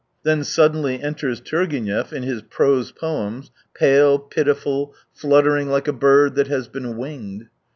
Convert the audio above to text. Then suddenly enters Turgenev in his Prose Poems — pale, pitiful, fluttering 139 like a bird that has been " winged."